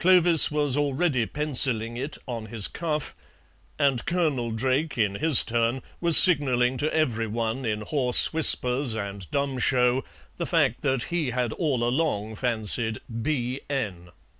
Clovis was already pencilling it on his cuff, and Colonel Drake, in his turn, was signalling to every one in hoarse whispers and dumb show the fact that he had all along fancied "B.N."